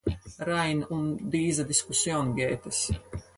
Rein um diese Diskussion geht es!